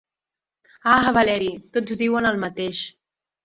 Ah, Valeri! Tots diuen el mateix.